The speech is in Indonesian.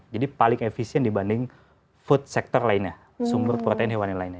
jadi paling efisien dibanding food sector lainnya sumber protein hewan lainnya